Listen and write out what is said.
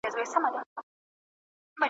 پیکر که هر څو دلربا تر دی ,